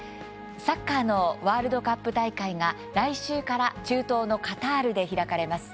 サッカーのワールドカップ大会が来週から中東のカタールで開かれます。